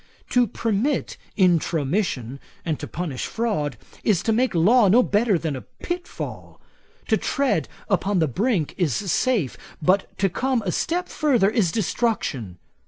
To permit Intromission, and to punish fraud, is to make law no better than a pitfall. To tread upon the brink is safe; but to come a step further is destruction.